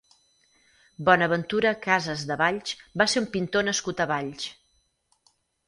Bonaventura Casas de Valls va ser un pintor nascut a Valls.